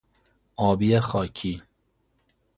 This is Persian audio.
آبی خاکی